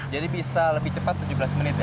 jadi bisa lebih cepat tujuh belas menit ya